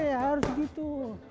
eh harus begitu